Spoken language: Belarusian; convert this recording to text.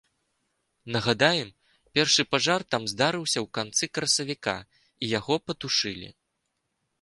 Нагадаем, першы пажар там здарыўся ў канцы красавіка і яго патушылі.